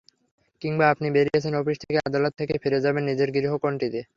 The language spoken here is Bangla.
কিংবা আপনি বেরিয়েছেন অফিস থেকে, আদালত থেকে, ফিরে যাবেন নিজের গৃহকোণটিতে।